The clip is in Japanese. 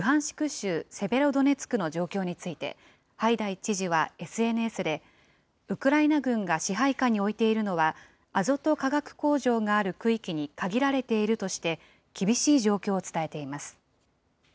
州セベロドネツクの状況について、ハイダイ知事はＳＮＳで、ウクライナ軍が支配下に置いているのは、アゾト化学工場がある区域に限られているとして、厳しい状況を伝えています。